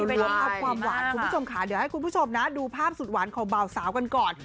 แล้วก็ภาพความหวานคุณผู้ชมค่ะเดี๋ยวให้คุณผู้ชมนะดูภาพสุดหวานของเบาสาวกันก่อน